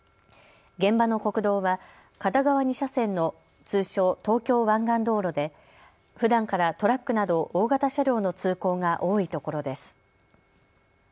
現場の国道は片側２車線の通称、東京湾岸道路でふだんからトラックなど大型車両の通行が多いところです。